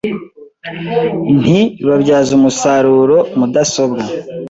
nti babyaza umusaruro mudasobwa